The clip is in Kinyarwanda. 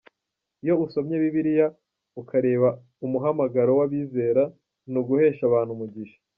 Iyo usomye Bibiliya, ukareba umuhamagaro w’abizera, ni uguhesha abantu umugisha.